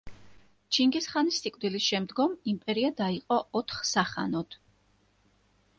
ჩინგის ხანის სიკვდილის შემდგომ იმპერია დაიყო ოთხ სახანოდ.